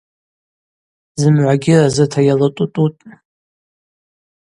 Зымгӏвагьи разыта йалатӏутӏутӏ.